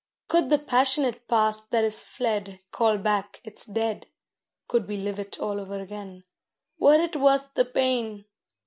Could the passionate past that is fled Call back its dead, Could we live it all over again, Were it worth the pain!